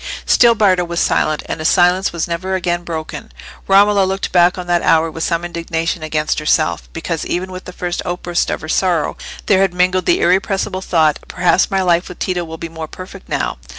Still Bardo was silent, and his silence was never again broken. Romola looked back on that hour with some indignation against herself, because even with the first outburst of her sorrow there had mingled the irrepressible thought, "Perhaps my life with Tito will be more perfect now."